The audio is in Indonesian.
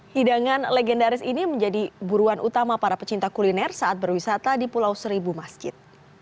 hidangan legendaris ini menjadi buruan utama para pecinta kuliner saat berwisata di pulau seribu masjid